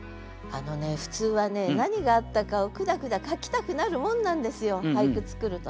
あのね普通はね何があったかをくだくだ書きたくなるもんなんですよ俳句作るとね。